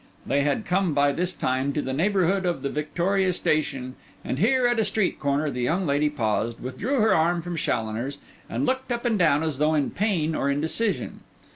They had come by this time to the neighbourhood of the Victoria Station and here, at a street corner, the young lady paused, withdrew her arm from Challoner's, and looked up and down as though in pain or indecision.